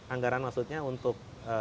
anggaran maksudnya untuk